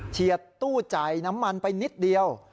เฉียดทุเจายน้ำมันไปนิดเดียว